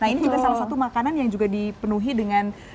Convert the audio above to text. ini juga salah satu makanan yang dipenuhi dengan